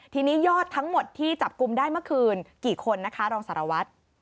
ทีนี้ยอดทั้งหมดที่จับกลุ่มได้เมื่อคืนกี่คนนะคะรองสารวัตร